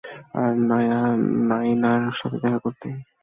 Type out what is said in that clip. আর নায়নার সাথে দেখা করতে।